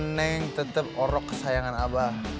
neng tetep orok kesayangan abah